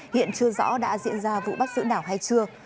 hiện chưa rõ đã diễn ra vụ bắt giữ nào hay chưa